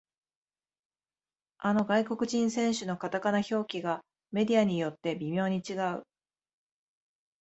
あの外国人選手のカタカナ表記がメディアによって微妙に違う